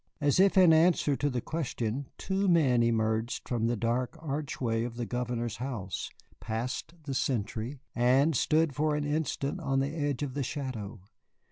As if in answer to the question two men emerged from the dark archway of the Governor's house, passed the sentry, and stood for an instant on the edge of the shadow.